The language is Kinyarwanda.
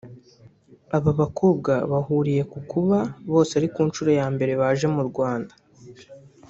Aba bakobwa bahuriye ku kuba bose ari ku nshuro ya mbere baje mu Rwanda